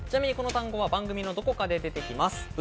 この単語は番組のどこかで出てきます。